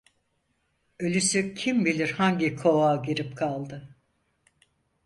Ölüsü kim bilir hangi kovuğa girip kaldı?